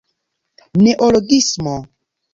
neologismo